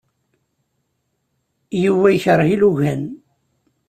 Yuba yekṛeh ilugan.